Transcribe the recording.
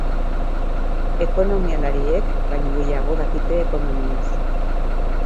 Ekonomialariek baino gehiago dakite ekonomiaz.